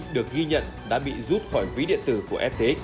được ghi nhận đã bị rút khỏi ví điện tử của ft